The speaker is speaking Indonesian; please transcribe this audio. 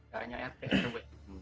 hanya rt rw